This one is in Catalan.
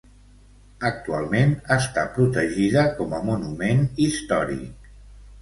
Actualment està protegida com a monument històric.